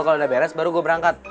kalau udah beres baru gue berangkat